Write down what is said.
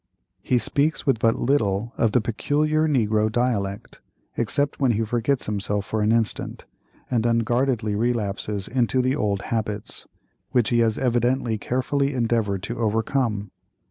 He speaks with but little of the peculiar negro dialect, except when he forgets himself for an instant, and unguardedly relapses into the old habits, which he has evidently carefully endeavored to overcome.